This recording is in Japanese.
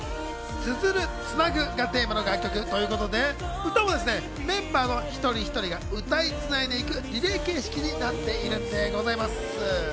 綴る・繋ぐがテーマの楽曲ということで、歌もですね、メンバーの一人一人が歌い繋いでいく、リレー形式になっているんでございます。